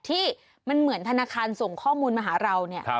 ที่มันเหมือนธนาคารส่งข้อมูลมาหาเราเนี่ย